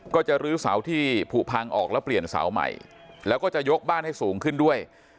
ก็จะลื้อเสาที่ผูกพังออกแล้วเปลี่ยนเสาใหม่แล้วก็จะยกบ้านให้สูงขึ้นด้วย